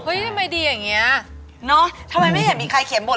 เฮ้ยทำไมดีอย่างเงี้ยทำไมไม่มีใครเขียนบท